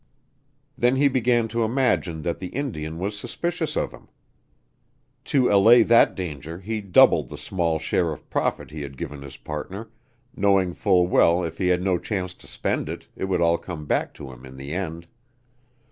Then he began to imagine that the Indian was suspicious of him. To allay that danger he doubled the small share of profit he had given his partner, knowing full well if he had no chance to spend it, it would all come back to him in the end.